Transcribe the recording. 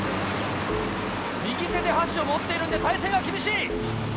右手で箸を持っているんで体勢が厳しい。